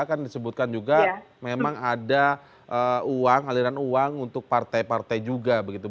kan disebutkan juga memang ada uang aliran uang untuk partai partai juga begitu